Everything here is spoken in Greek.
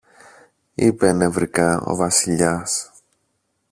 είπε νευρικά ο Βασιλιάς.